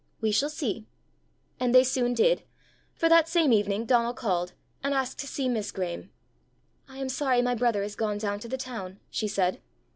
we shall see!" And they soon did. For that same evening Donal called, and asked to see Miss Graeme. "I am sorry my brother is gone down to the town," she said.